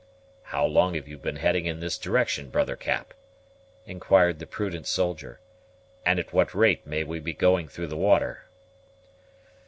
"How long have you been heading in this direction, brother Cap?" inquired the prudent soldier; "and at what rate may we be going through the water?"